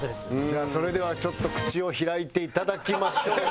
じゃあそれではちょっと口を開いていただきましょう。